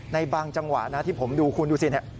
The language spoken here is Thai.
ในบางจังหวะที่ผมดูคุณดูสิ